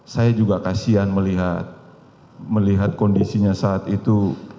saya juga kasian melihat kondisinya saat itu